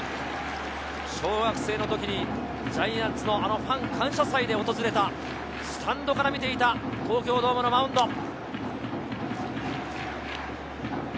小学生の時にジャイアンツのファン感謝祭で訪れたスタンドから見ていた東京ドームのマウンド。